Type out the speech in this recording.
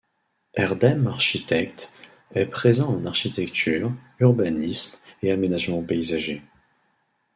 Erdem Architectes est présent en architecture, urbanisme et aménagement paysager.